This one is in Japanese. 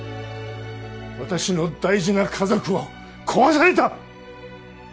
私の大事な家族を壊された！